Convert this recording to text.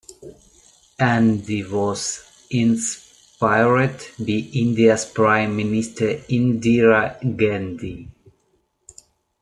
"Aandhi" was inspired by India's Prime Minister Indira Gandhi.